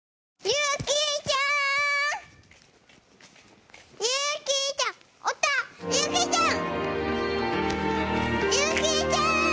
ゆきちゃん！